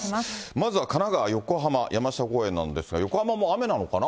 まずは神奈川・横浜、山下公園なんですが、横浜も雨なのかな。